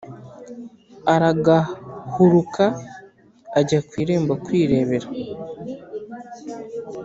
Aragahuruka ajya ku irembo kwirebera